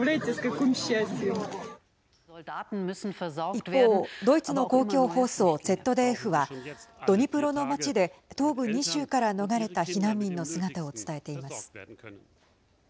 一方ドイツの公共放送ＺＤＦはドニプロの街で東部２州から逃れた避難民の姿を伝えています。